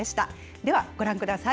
ではご覧ください。